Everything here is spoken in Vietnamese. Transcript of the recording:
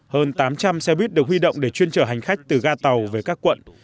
hơn tám trăm linh xe buýt được huy động để chuyên chở hành khách từ ga tàu về các quận